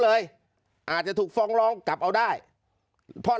เจ้าหน้าที่แรงงานของไต้หวันบอก